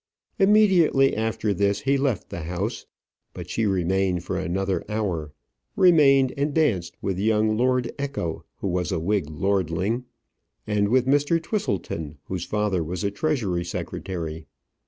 Immediately after this he left the house; but she remained for another hour remained and danced with young Lord Echo, who was a Whig lordling; and with Mr. Twisleton, whose father was a Treasury secretary.